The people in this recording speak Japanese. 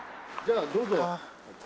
じゃあどうぞ。